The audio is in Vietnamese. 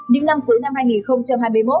những năm cuối năm hai nghìn hai mươi một